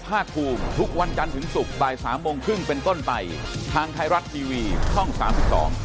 พบกันใหม่พรุ่งนี้บ่ายสามครึ่งครับสวัสดีครับ